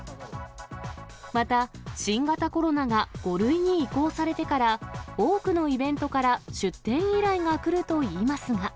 また、新型コロナが５類に移行されてから、多くのイベントから出店依頼が来るといいますが。